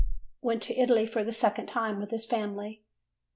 Went to Italy for the second time with his family.